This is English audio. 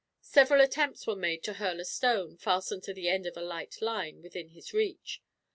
Several attempts were made to hurl a stone, fastened to the end of a light line, within his reach.